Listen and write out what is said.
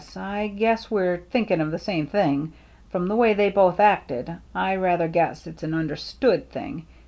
I guess we're thinking of the same thing. From the way they both acted, I rather guess it's an understood thing.